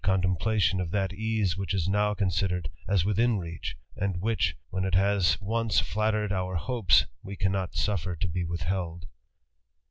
:ontemplation of that ease which is ^ofiW , considered, us wnth m reach, ^d whi( A|^jyhen it has once flattered our ^ opes, we cannot suffer to b e withheld.